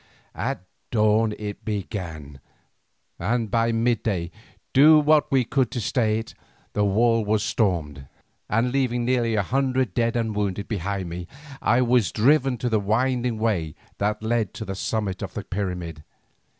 At dawn it began, and by midday, do what we could to stay it, the wall was stormed, and leaving nearly a hundred dead and wounded behind me, I was driven to the winding way that led to the summit of the pyramid.